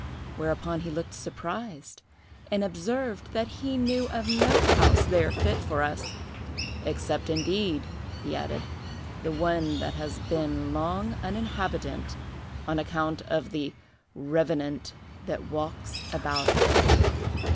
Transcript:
Whereupon he looked surprised, and observed that he knew of no house there fit for us, 'except, indeed,' he added, 'the one that has been long uninhabited, on account of the revenant that walks about it.